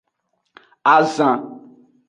Azan.